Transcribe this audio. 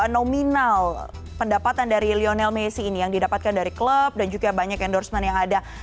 nominal pendapatan dari lionel messi ini yang didapatkan dari klub dan juga banyak endorsement yang ada